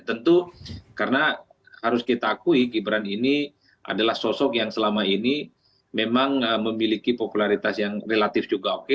tentu karena harus kita akui gibran ini adalah sosok yang selama ini memang memiliki popularitas yang relatif juga oke